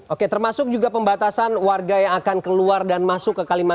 oke termasuk juga pembatasan warga yang akan keluar dan masuk ke kalimantan